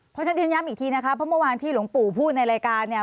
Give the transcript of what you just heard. เพราะฉะนั้นเรียนย้ำอีกทีนะคะเพราะเมื่อวานที่หลวงปู่พูดในรายการเนี่ย